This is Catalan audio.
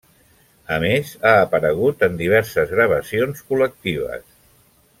A més, ha aparegut en diverses gravacions col·lectives.